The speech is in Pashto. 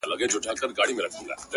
ستا د يادونو فلسفې ليكلي’